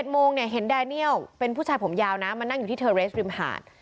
โมงเนี่ยเห็นแดเนียลเป็นผู้ชายผมยาวนะมานั่งอยู่ที่เทอร์เรสริมหาด